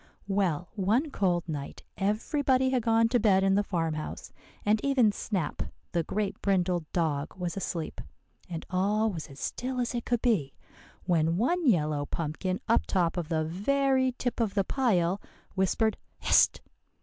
"Well, one cold night everybody had gone to bed in the farmhouse, and even Snap the great brindled dog was asleep, and all was as still as it could be, when one yellow pumpkin up top of the very tip of the pile whispered, '_Hist!